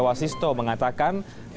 wasisto mengatakan lima belas